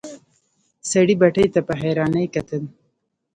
سړي بتۍ ته په حيرانی کتل.